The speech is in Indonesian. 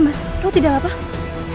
mas tahu tidak apa apa